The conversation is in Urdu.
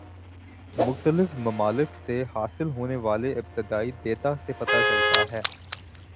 مختلف ممالک سے حاصل ہونے والے ابتدائی دیتا سے پتہ چلتا ہے